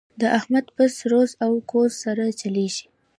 د احمد بس روز او ګوز سره چلېږي.